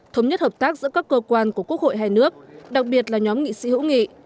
thống nhất hợp tác giữa các cơ quan của quốc hội hai nước đặc biệt là nhóm nghị sĩ hữu nghị